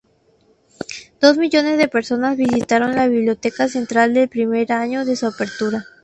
Dos millones de personas visitaron la Biblioteca Central el primer año de su apertura.